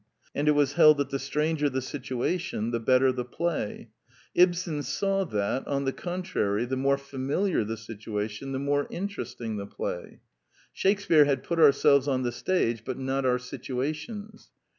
And it was held that the stranger the situation, the better the play. Ibsen saw that, on the contrary, the more familiar the situation, the more interesting the play. Shakespear had put ourselves on the stage but not our situations.